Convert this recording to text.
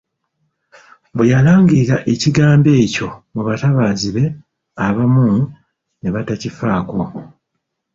Bwe yalangirira ekigambo ekyo mu batabaazi be, abamu ne batakifaako.